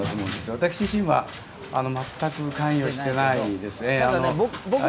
私自身は全く関与していないです。